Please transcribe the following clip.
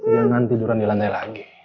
jangan tiduran di lantai lain